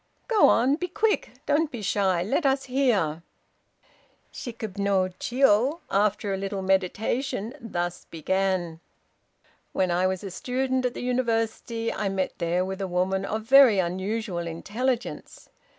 "Go on; be quick; don't be shy; let us hear!" Shikib no Jiô, after a little meditation, thus began: "When I was a student at the University, I met there with a woman of very unusual intelligence.